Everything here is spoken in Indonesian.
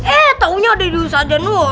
eh taunya ada di ustadz zah dulu